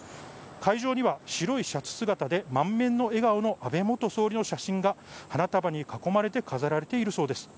会場には白いシャツ姿で満面の笑顔の安倍元総理の写真が花束に囲まれて飾られているそうです。